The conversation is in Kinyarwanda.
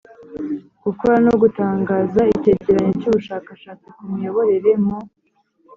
Gukora no gutangaza icyegeranyo cy ubushakashatsi ku miyoborere mu